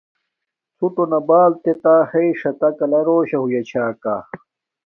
ݼُݸٹݸنݳ بݳل دِیتݳ ہݵئ سݳتݵ کَلَݳ رݸشݳ ہݸیݳ چھݳکݳ.